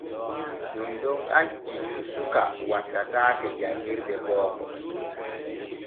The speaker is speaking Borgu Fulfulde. Ɗun ɗon acci suka wattataake janƞirde booko.